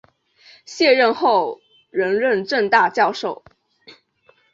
卸任后仍任政大教授。